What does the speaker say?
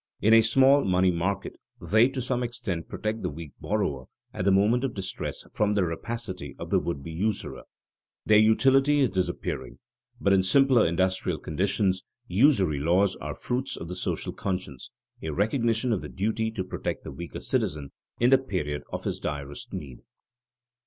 In a small money market they to some extent protect the weak borrower at the moment of distress from the rapacity of the would be usurer. Their utility is disappearing, but in simpler industrial conditions usury laws are fruits of the social conscience, a recognition of the duty to protect the weaker citizen in the period of his direst need.